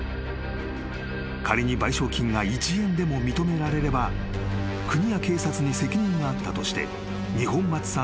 ［仮に賠償金が一円でも認められれば国や警察に責任があったとして二本松さんの勝利］